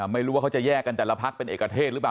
ไม่รู้ว่าเขาจะแยกกันแต่ละพักเป็นเอกเทศหรือเปล่า